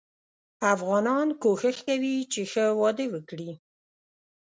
افغانان کوښښ کوي چې ښه واده وګړي.